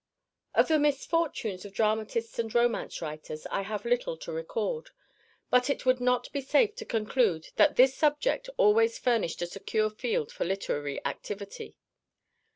Of the misfortunes of dramatists and romance writers I have little to record, but it would not be safe to conclude that this subject always furnished a secure field for literary activity.